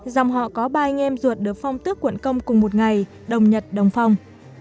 dòng họ có ba anh em ruột được phong tước quận công cùng một ngày đồng nhật đồng phong